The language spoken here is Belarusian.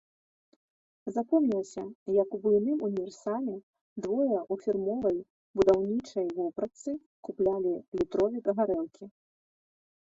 Запомнілася, як у буйным універсаме двое ў фірмовай будаўнічай вопратцы куплялі літровік гарэлкі.